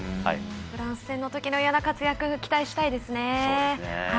フランス戦のときのような活躍を期待したいですね。